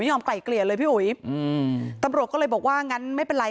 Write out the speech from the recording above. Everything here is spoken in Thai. ยอมไกลเกลี่ยเลยพี่อุ๋ยอืมตำรวจก็เลยบอกว่างั้นไม่เป็นไร